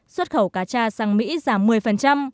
xuất khẩu cá da sang mỹ giảm một mươi